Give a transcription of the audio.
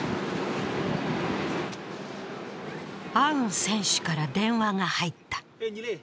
アウン選手から電話が入った。